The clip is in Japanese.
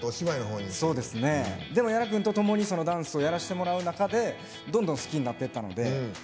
でも、屋良君とともにダンスをやらせてもらう中でどんどん好きになっていったので。